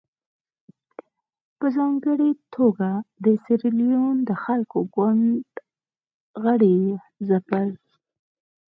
په ځانګړې توګه د سیریلیون د خلکو ګوند غړي یې ځپل.